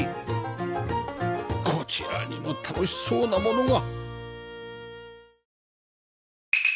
こちらにも楽しそうなものが